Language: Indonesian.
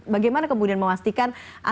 bagaimana kemudian memastikan